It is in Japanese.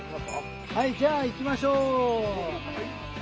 はいじゃあ行きましょう。